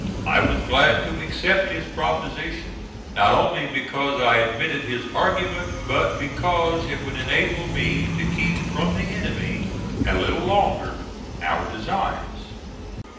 I was glad to accept his proposition, not only because I admitted his argument, but because it would enable me to keep from the enemy a little longer our designs.